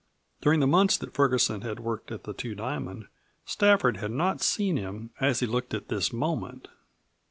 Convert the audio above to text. During the months that Ferguson had worked at the Two Diamond, Stafford had not seen him as he looked at this moment.